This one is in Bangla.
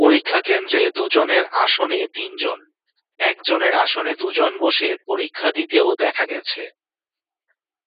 পরীক্ষাকেন্দ্রে দুজনের আসনে তিনজন, একজনের আসনে দুজন বসে পরীক্ষা দিতেও দেখা গেছে।